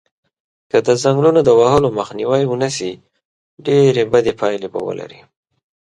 که د ځنګلونو د وهلو مخنیوی و نشی ډیری بدی پایلی به ولری